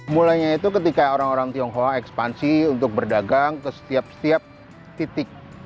mulainya itu ketika orang orang tionghoa ekspansi untuk berdagang ke setiap setiap titik